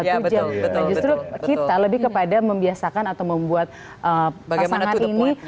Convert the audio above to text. nah justru kita lebih kepada membiasakan atau membuat pasangan ini